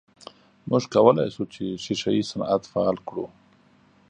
موږ کولای سو چې ښیښه یي صنعت فعال کړو.